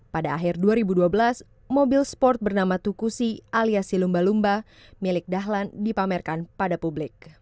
pada akhir dua ribu dua belas mobil sport bernama tukusi aliasi lumba lumba milik dahlan dipamerkan pada publik